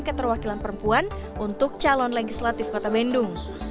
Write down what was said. keterwakilan perempuan untuk calon legislatif kota bandung